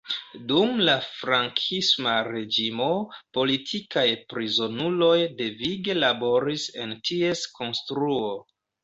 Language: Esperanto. Dum la Frankisma reĝimo, politikaj prizonuloj devige laboris en ties konstruo.